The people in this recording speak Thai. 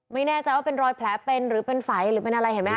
ไม่แน่ใจว่าเป็นรอยแผลเป็นหรือเป็นไฝหรือเป็นอะไรเห็นไหมค